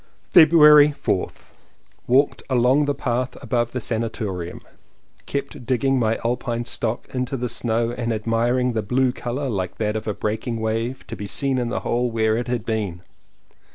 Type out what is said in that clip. February 4th. Walked along the path above the san atorium. Kept digging my alpine stock into the snow and admiring the blue colour like that of a breaking wave to be seen in the hole where it had been.